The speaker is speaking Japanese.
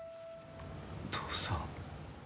父さん。